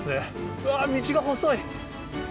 うわー、道が細い。